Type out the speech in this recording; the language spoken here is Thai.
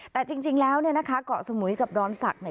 แต่จริงแล้วเกาะสมุยกับดอนศักดิ์